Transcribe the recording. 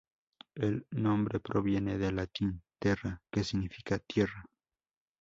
El nombre proviene del latín "terra", que significa tierra.